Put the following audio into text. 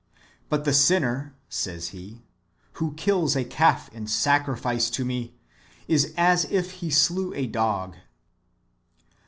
"But the sinner," says He, " who kills a calf [in sacrifice] to me, is as if he slew a dog."